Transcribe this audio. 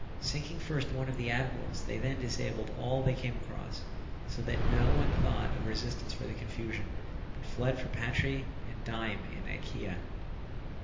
Sinking first one of the admirals, they then disabled all they came across, so that no one thought of resistance for the confusion, but fled for Patrae and Dyme in Achaea.